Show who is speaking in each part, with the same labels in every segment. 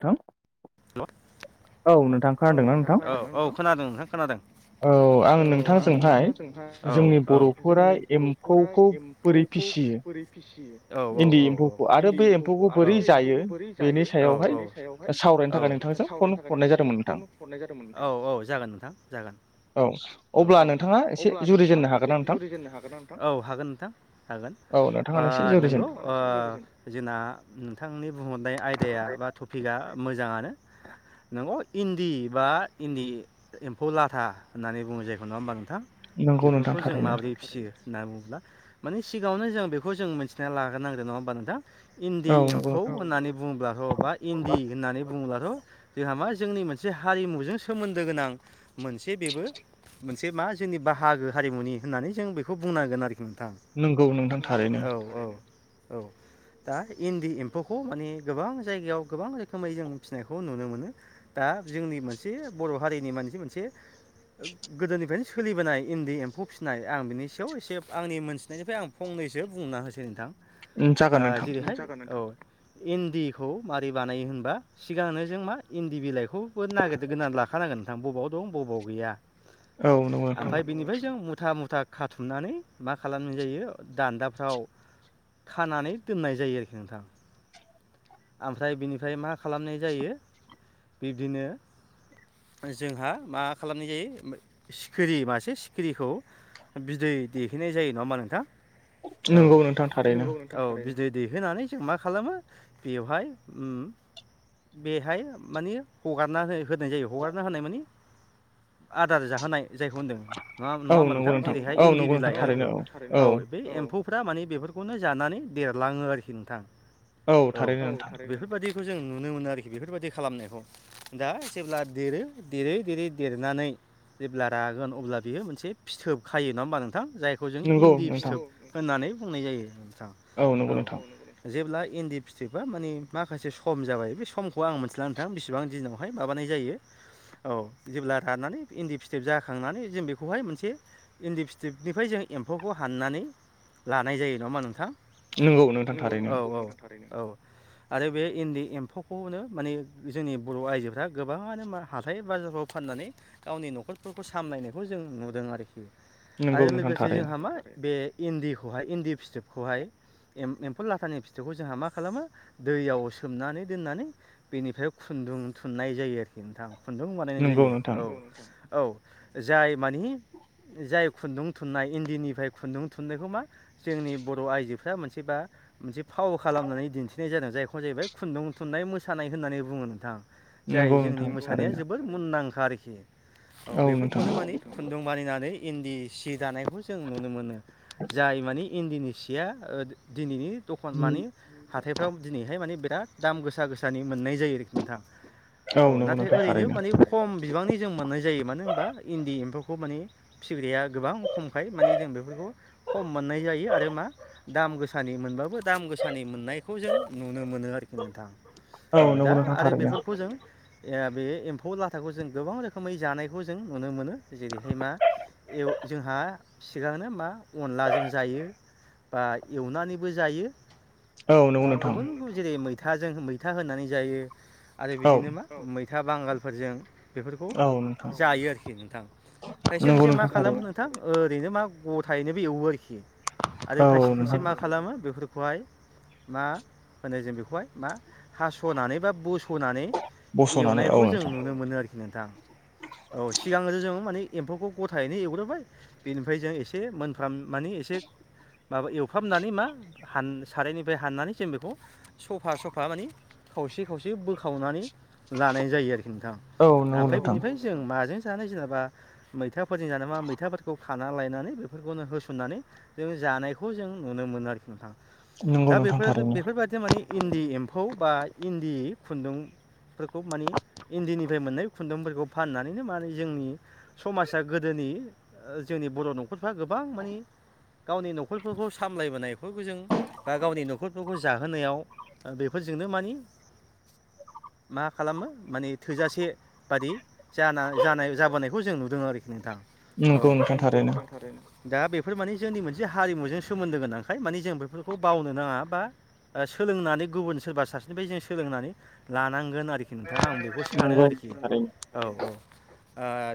Speaker 1: थां
Speaker 2: [inaudible]
Speaker 1: औ नोंथां।
Speaker 2: औ नोंथां औ औ खोनादों नोंथां खोनादों। औ आं नोंथांजोंहा औ औ जोंनि बर'फोरा एम्फौखौ बोरै फिसियो औ औ औ औ इन्दि एम्फौखौ आरो बे एम्फौखौ बोरै जायो बेनि सायाव हाय औ दा सावरायनो थाखाय नोंथांजों फन हरनाय जादोंमोन औ औ जागोन नोंथां जागोन। औ औ अब्ला नोंथाङा एसे जुरिजेननो हागोन ना नोंथां औ हागोन नोंथां हागोन।
Speaker 1: औ नोंथांङानो एसे जु
Speaker 2: नंगौ ओ जोंना नोंथांनि बुंहरनाय आयदाया बा फिकआ मोजाङानो नोंगौ इन्दि बा इन्दि एम्फौ लाथा होननानै बुङो जायखौ नङा होमबा नोंथां। बेफोरखौ जों माबोरै फिसियो होनना बुङोब्ला माने सिगाङावनो जों बेखौ जों मिथिना लाग्रोनांगोन। नङा होमा नोंथां? इन्दि एम्फौ होननानै बुङोब्लाथ' बा इन्दि होननानै बुङोब्लाथ' जोंहा मा जोंनि मोनसे हारिमुजों सोमोन्दो गोनां मोनसे बेबो मोनसे मा जोंनि बाहागो हारिमुनि होननानै जों बेखौ बुंनांगोन आरोखि नोंथां। नंगौ नोंथां औ औ औ दा इन्दि एम्फौखौ माने गोबां जायगायाव गोबां रोखोमै जों फिसिनायखौ नुनो मोनो। दा जोंनि मोनसे बर' हारिनि मोनसे मोनसे गोदोनिफ्रायनो सोलिबोनाय इन्दि एम्फौ फिसिनाय आं बिनि सायाव एसे आंनि मोनथिनायनिफ्राय आं फंनैसो बुंना होसै नोंथां ओ जेरैहाय औ इन्दिखौ मारै बानायो होनबा सिगांनो जों मा इन्दि बिलाइ खौबो नागिर गोनना लाखानांगोन नोंथां बबाव दं बबाव गैया। ओमफ्राय बिनिफ्राय जों मु था मुथा खाथुमनानै मा खालामनाय जायो दान्दाफ्राव खानानै दोननाय जायो आरोखि नोंथां। ओमफ्राय बिनिफ्राय मा खालामनाय जायो बिदिनो जोंहा मा खालामनाय जायो सिखिरि मासे सिखिरिखौ बिदै दैहोनाय जायो नङा नोंथां। औ औ बिदै दैहोनानै जों मा खालामो बेवहाय उम बेहाय माने हगारना हो-होनाय जायो हगारना होनाय माने आदार जाहोनाय जायखौ होनदों नङा नङा होनबा नोंथां जेरैहाय इन्दि बिलाइ आरिखौ औ बे एम्फौ फ्रा माने बेफोरखौनो जानानै देरलाङो आरोखि नोंथां। औ औ थ बेफोरबायदिखौ जों नुनो मोनो आरोखि बेफोरबायदि खालामनायखौ। दा जेब्ला देरो देरै देरै देरनानै जेब्ला रागोन अब्ला बियो मोनसे फिथोब खायो नङा होमबा नोंथां जाय थखौ जों इन्दि फिथौ होननानै बुंनाय जायो नोंथां औ जेब्ला इन्दि फि जोबबा मानि माखासे सम जाबाय बे समखौ आं मोनथिला नोंथां बेसिबां दिनावहाय माबानाय जायो। औ जेब्ला राननानै इन्दि फिथोब जाखांनानै जों बेखौहाय मोनसे इन्दि फिथोबनिफ्राय जों एम्फौखौ हाननानै लानाय जायो नङा होमबा नोंथां? नंगौ औ औ थारैनो औ। आरो बे इन्दि एम्फौखौनो माने जोंनि बर' आइजोफ्रा गोबाङानो मा हाथाय बाजारफ्राव फाननानै गावनि न'खरफोरखौ सामलायनायखौ जों नुदों आरोखि। आरो लोगोसे जोंहा मा बे इन्दिखौहाय इन्दि फिथोबखौहाय एम्फौ लाथानि फिथोबखौ जोंहा मा खालामो दैयाव सोमनानै दोननानै बेनिफ्राय खुन्दुं थुननाय जायो आरोखि नोंथां खुन्दुं बानायनाय जायो औ। औ जाय मानि जाय खुन्दुं थुननाय इन्दिनिफ्राय खुन्दुं थुननायखौ मा जोंनि बर' आइजोफ्रा मोनसेबा मोनसे फाव खालामनानै दिन्थिनाय जादों जायखौ जाहैबाय खुन्दुं थुननाय मोसानाय होननानै बुङो नोंथां। जाय जोंनि मोसानाया जोबोर मुंदांखा आरोखि औ बेफोरखौनो मानि खुन्दुं बानायनानै इन्दि सि दानायखौ जों नुनो मोनो जाय मानि इनदिनि सिया दिनैनि दखान मानि हाथायफ्राव दिनैहाय माने बिराद दाम गोसा गोसानि मोननाय जायो आरोखि नोंथां। औ नाथाय ओरैनो माने खम बिबांनि जों मोननाय जायो मानो होनबा इन्दि एम्फौखौ माने फिसिग्राया गोबां खमखाय माने जों बेफोरखौ खम मोननाय जायो आरो मा दाम गोसानि मोनबाबो दाम गोसानि मोननायखौ जों नुनो मोनो आरोखि नोंथां। औ दा आरो बेफोरखौ जों बे एम्फौ लाथाखौ जों गोबां रोखोमै जानायखौ जों नुनो मोनो। जेरैहाय मा एव जोंहा सिगांनो मा अनलाजों जायो बा एवनानैबो जायो। दा गुबुन गुबुन जेरै मैथाजों मैथा होनानै जायो आरो बिदिनो मा मैथा बांगालफोरजों बेफोरखौ जायो आरोखि नोंथां खायसे खायसे मा खालामो नोंथां ओरैनो मा गथायोनोबो एवो आरोखि आरो खायसे खायसे मा खालामो बेफोरखौ बेखौहाय मा फोनो जों बेखौहाय मा थास'नानै बा बस'नानै एवनायखौ जों नुनो मोनो आरोखि नोंथां। औ सिगां जों माने एम्फौखौ गथायैनो एवग्रोबाय बेनिफ्राय जों एसे मोनफ्राम माने एसे माबा एवफ्रामनानै मा हान-सारायनिफ्राय हाननानै जों बेखौ सफा सफा मानि खावसे खावसे बोखावनानै लानाय जायो आरोखि नोंथां। आमफ्राय बिनिफ्राय जों माजों जानाय जेनेबा मैथाफोरजों जानोबा मैथाफोरखौ खाना लायनानै बेफोरखौनो होसननानै जों जानायखौ जों नुनो मोनो आरोखि नोंथां। दा बेफोर बेफोरबायदि माने इन्दि एम्फौ बा इन्दि खुन्दुं फोरखौ माने इन्दिनिफ्राय मोननाय खुन्दुंफोरखौ फाननानैनो माने जोंनि समाजा गोदोनि जोंनि बर' न'खरफ्रा गोबां मानि गावनि न'खरफोरखौ सामलायबोनायखौबो जों बा गावनि न'खरफोरखौ जाहोनायाव बेफोरजोंनो मानि मा खालामो माने थोजासे बादि जाना-जानाय जाबोनायखौ जों नुदों आरोखि नोंथां औ। दा बेफोर माने जोंनि मोनसे हारिमुजों सोमोन्दो गोनांखाय मानि जों बेफोरखौ बावनो नाङा बा सोलोंनानै गुबुन सोरबा सासेनिफ्राय जों सोलोंनानै लानांगोन आरोखि ख नोंथां आं बेखौ सानो आरोखि औ औ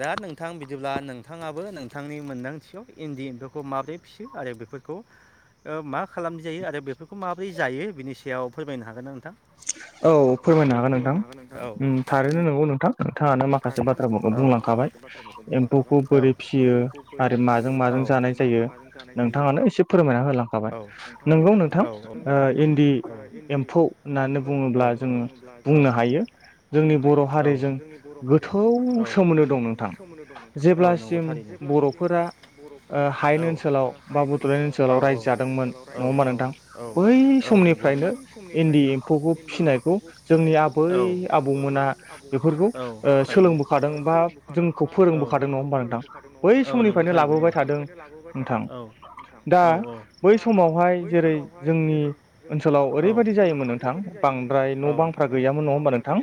Speaker 2: दा नोंथां बिदिब्ला नोंथाङाबो नोंथांनि मोन्दांथियाव इन्दि बेफोरखौ माबोरै फिसियो आरो बेफोरखौ मा खालामजायो आरो बेफोरखौ माबोरै जायो बिनि सायाव फोरमायनो हागोन आं नोंथां
Speaker 1: औ फोरमायनो हागोन नोंथां थारैनो नंगौ नोंथां नोंथाङानो माखासे बाथ्राफोरखौ बुंलांखाबाय एम्फौखौ बोरै फियो आरो माजों माजों जानाय जायो नोंथाङानो एसे फोरमायना होलांखाबाय नोंगौ नोंथां ओ‌ इन्दि एम्फौ होननानै बुङोब्ला जोङो बुंनो हायो
Speaker 2: बुंनो हायो औ जोंनि बर' हारिजों औ गोसखौ सोमोनदो दं नोंथां औ नंगौथारिजों अ बर'फोरा [unintelligible] औ ह ओनसोल औ औ औ नोंथां औ बै समनिफ्रायनो इन्दि एम्फौखौ फिसिनायखौ जोंनिया बै आबौमोना औ बेफोरनो सोलों [inaudible] औ नंगौ थारैनो औ औ औ
Speaker 1: बै समावहाय जेरै जोंनि ओनसोलाव ओरैबायदि जायोमोन नों बांद्राय न' बांफ्रा गैयामोन नङा हबा नोंथां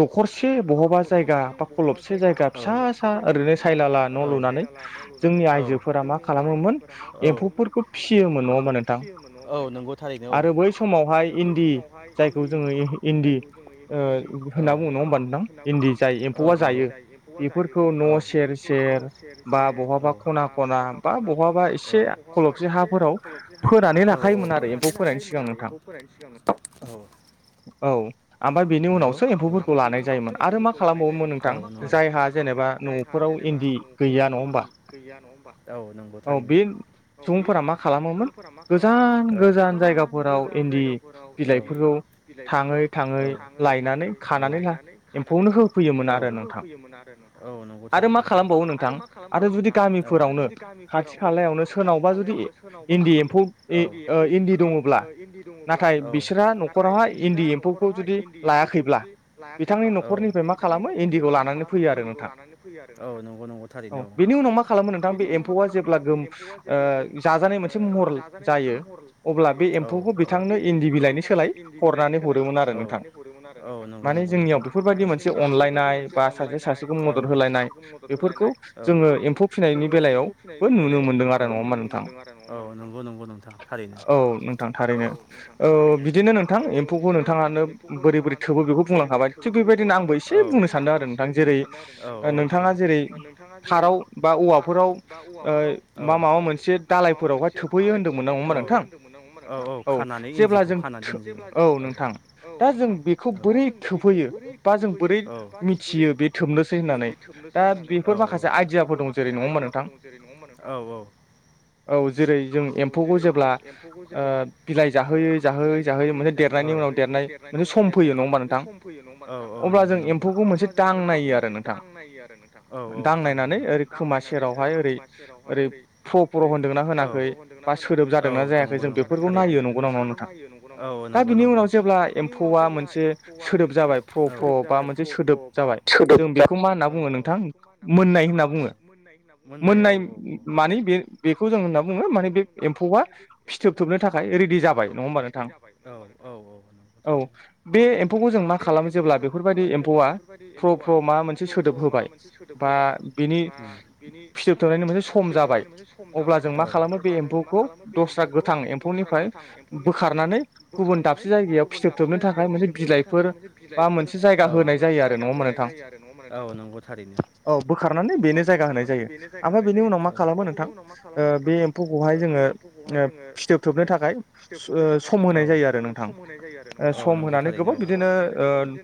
Speaker 1: दखरसे बहबा जायगा बा खलबसे जायगा फिसा सा ओरैनो सायलाला न' लुनानै जोंनि आइजोफोरा मा खालामोमोन
Speaker 2: औ एफोरखौ फिसियोमोन औ नोंगौ
Speaker 1: आरो बै समावहाय इन्दि जायखौ जोङो इन्दि होनना बुङो नङा होमबा नोंथां इन्दि जाय एम्फौआ जायो बेफोरखौ न' सेर सेर
Speaker 2: सेर सेर बा बहाबा खना खना बा बहाबा एसे खलबज हाफोराव फोरानो ना खायोमोन आरो एम्फौ फनायनि सिगांनो औ नंगौ ओमफ्राय बेनि उनावसो एम्फौफोरखौ लानाय जायोमोन मा खालामबावोमोन नोंथां जायहा जेनेबा न'फोराव इन्दि गैया नङा होमबा औ नोंबो
Speaker 1: औ बे सुबुंफोरा मा खालामोमोन गोजान गोजान
Speaker 2: ओ गोजान गोजान जायगाफोराव एदि बिलाइफोरखौ थाङै थाङै लायनानै खानानै ला बेनो होफैयोमोन आरो नोंथां औ नंगौ थारैनो औ आरो मा खालामबावो नोंथां आरो जुदि गामिफोर
Speaker 1: खाथि खालायावनो सोरनावबा जुदि इन्दि एम्फौ इदि
Speaker 2: इन्दि दङब्ला औ नाथाय बिसोरहा न'खरावहाय इन्दि एम्फौखौ जुदि लायाखैब्ला औ बिथांनि न'खरनिफ्राय मा खालामो इन्दिखौ लानानै फैयो आरो औ नंगौ नंगौ
Speaker 1: औ बे उनाव मा खालामो नोंथां बे एम्फौआ जेब्ला गोम जाजानाय मोनसे महर जायो
Speaker 2: जायो अब्ला बे एम्फौखौ बिथांनो इन्दि बिलाइनि सोलाय होननानै हरदोंमोन आरो औ नंगौ नंगौ नोंथां माने जोंनियाव बेफोरबायदि मोनसे अनलायनाय बा मोनसे सासेखौनो मदद होलायनाय
Speaker 1: जोङो एम्फौ फिनायनि बेलायावबो नुनो मोनदों आरो नङा होमा नोंथां
Speaker 2: औ नंगौ नंगौ नोंथां
Speaker 1: औ नोंथां थारैनो औ बिदिनो नोंथां एम्फौखौ नोंथाङानो बोरै बोरै थोबो बेखौ बुंलां हाबाय थिग बेबायदिनो आंबो एसे बुंनो सान्दों आरो नोंथां जेरै नोंथाङा जेरै थाराव बा औवाफोराव
Speaker 2: बा औवाफोराव बा माबा मोनसे दालायफोरावहाय थाफैयो औ औ खानानै इन्दिखौ खानानानै दोन औ औ नोंथां दा जों बेखौ बोरै खोबहैयो बा जों बोरै मिथियो बे खोबनो
Speaker 1: दा बेफोर माखासे आइडियाफोर दं जेरै नङामोनों
Speaker 2: जेर औ जेरै [inaudible] औ [inaudible] औ औ नंगौ नंगौ [inaudible] औ औ थारैनो। [inaudible] औ [inaudible] औ नंगौ नंगौ थारैनो [inaudible] औ नंगौ नंगौ
Speaker 1: सोदोब जाबाय फ्र फ बा मोनसे सोदोब जाबाय जों बेखौ मा होनना बुङो नोंथां मोननाय होनना बुङो मोननाय मानि बे बेखौ जों होनना बुङो माने बे एम्फौआ फिथोबथोबनो थाखाय रेडि जाबाय नङा होमबा नोंथां औ बे एम्फौखौ जों मा खालामो जेब्ला बेफोरबायदि एम्फौआ फ्र' फ्र' मा मोनसे सोदोब होबाय बा बिनि फिथोबथोबनायनि मोनसे सम जाबाय अब्ला जों मा खालामो बे एम्फौखौ दस्रा गोथां एम्फौनिफ्राय बोखारनानै गुबुन दाबसे जायगायाव फिथोब थोबनो थाखाय मोनसे बिलाइ
Speaker 2: [inaudible] औ [inaudible] औ नंगौ थारैनो।
Speaker 1: औ बोखारनानै बेनो जायगा होनाय जायो ओमफ्राय बेनि उनाव मा खालामो नोंथां बे एम्फौखौहाय जोङो
Speaker 2: [inaudible] औ
Speaker 1: सम होनानै गोबां बिदिनो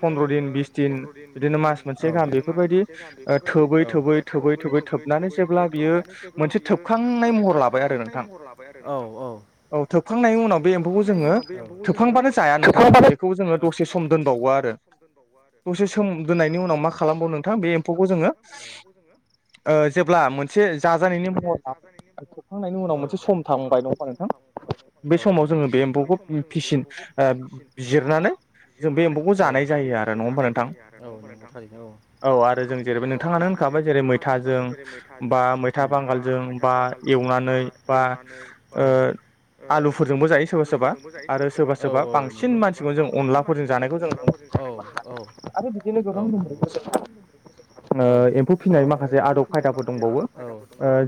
Speaker 1: फन्द्र' दिन बिस दिन बिदिनो मास मोनसे गाहाम बेफोरबायदि
Speaker 2: [inaudible] औ थोबै थोबै थोबै थोबै थोबनानै जेब्ला बियो मोनसे थोबखांनाय महर ला औ औ
Speaker 1: औ थोबखांनायनि उनाव बे एम्फौखौ जोङो थोबखांबानो जाया नोंथां बेखौ जोङो दसे स म दोनबाव। दसे दोननायनि उनाव मा खालामबावो नोंथां बे एम्फौखौ जोङो [inaudible] ओ जेब्ला मोनसे जाजानायनि मुङाव ला खोबखांनायनि उनाव मोनसे सम थांबाय नङा नोंथां बे समाव जोङो बे एम्फौखौ फिसिन ओ बिजिरनानै
Speaker 2: औ [inaudible] औ थारैनो
Speaker 1: औ आरो जों जेरैब नोंथाङानो होनखाबाय जेरै मैथाजों बा मैथा बांगालजों बा एवनानै बा
Speaker 2: औ
Speaker 1: आलुफोरजोंबो जायो सोरबा सोरबा आरो सोरबा सोरबा बांसिन मानसिखौनो जों अनलाफोरजों जानायखौ जों नुनो [unintelligible] आरो बिदिनो गोबां दंबावो जोंहा ओ एम्फौ फिसिनाय माखासे आदब खायदाफोर दं बावो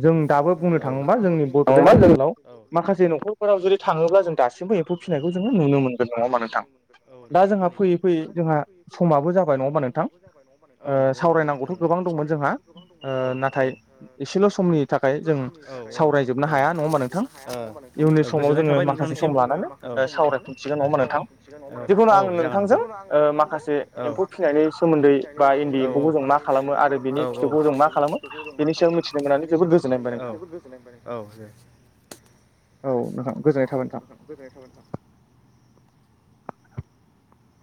Speaker 1: जों दाबो बुंनो थाङोबा जोंनि बड'लेण्ड ओन
Speaker 2: औ
Speaker 1: माखासे नखरफोराव जुदि थाङोब्ला जों दासिमबो एम्फौ फिसिनायखौ जोङो नुनो मोनो नङा मा नोंथां? दा जोंहा फैयै फैयै जोंहा समाबो जाबाय नङा होनोमा नोंथां? ओ सावरायनांगौथ' गोबां दंमोन जोंहा। ओ नाथाय एसेल' समनि थाखाय जों सावरायजोबनो हाया।
Speaker 2: ओ ओ गोजोननाय थाबाय नोंथांनिसिम औ औ जागोन नोंथां। औ औ औ औ औ औ औ
Speaker 1: औ नोंथां
Speaker 2: औ नोंथां गोजोननाय थाबाय नोंथां